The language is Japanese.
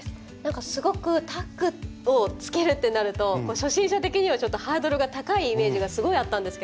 すごくタックをつけるってなると初心者的にはちょっとハードルが高いイメージがすごいあったんですけど。